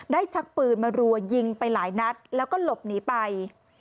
ชักปืนมารัวยิงไปหลายนัดแล้วก็หลบหนีไป